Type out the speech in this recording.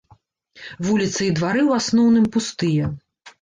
Вуліцы і двары ў асноўным пустыя.